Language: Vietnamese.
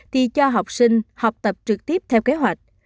thì cho học sinh học tập trực tiếp theo kế hoạch